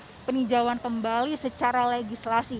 melakukan peninjauan kembali secara legislasi